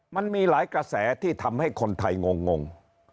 มันมีหลายกระแสที่ทำให้คนไทยงง